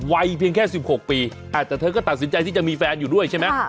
วัยเพียงแค่๑๖ปีแต่เธอก็ตัดสินใจที่จะมีแฟนอยู่ด้วยใช่ไหม